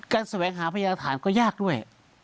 การแสวงหาพยายามรักฐานก็ยากด้วย